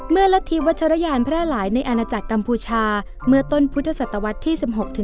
รัฐธิวัชรยานแพร่หลายในอาณาจักรกัมพูชาเมื่อต้นพุทธศตวรรษที่๑๖